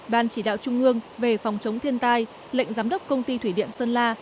ban chỉ đạo trung ương về phòng chống thiên tai lệnh giám đốc công ty thủy điện sơn la